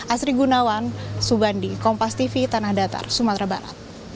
asri gunawan subandi kompas tv tanah datar sumatera barat